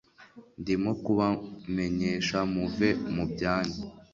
ndimo kuba menyesha muve mubyanyu